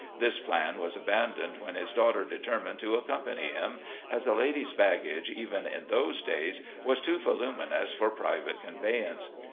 This plan was abandoned when his daughter determined to accompany him, as a lady's baggage, even in those days, ■was too voluminous for pri vate conveyance.